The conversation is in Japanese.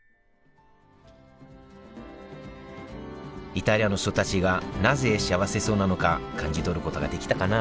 イタリアの人たちがなぜしあわせそうなのか感じ取ることができたかな？